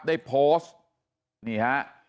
ได้โพสต์